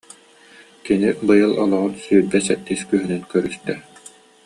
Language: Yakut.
Кини быйыл олоҕун сүүрбэ сэттис күһүнүн көрүстэ